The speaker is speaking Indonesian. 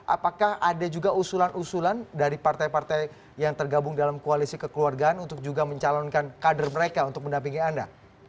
apakah ada juga usulan usulan dari partai partai yang tergabung dalam koalisi kekeluargaan untuk juga mencalonkan kader mereka untuk mendampingi anda